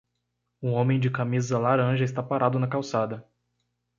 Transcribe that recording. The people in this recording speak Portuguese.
Um homem de camisa laranja está parado na calçada.